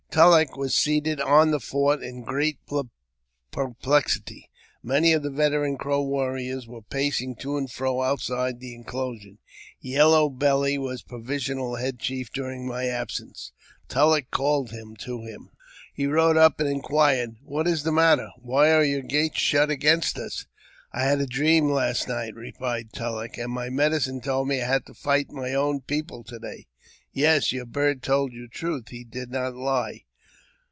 TuUeck was seated on the fort in great perplexity. Many of the veteran Crow warriors were pacing to and fro outside the inclosure. Yellow Belly was provisional head chief during my absence. Tulleck called him to him. He rode up and inquired, " What is the matter? Why are your gates shut against us ?"I had a dream last night," replied Tulleck, " and my medi cine told me I had to fight my own people to day." " Yes, your bird told you truth ; he did not lie.